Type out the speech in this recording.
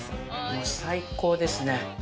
もう最高ですね。